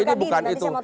ini bukan itu